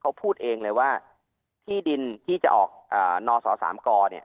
เขาพูดเองเลยว่าที่ดินที่จะออกนศสามกเนี่ย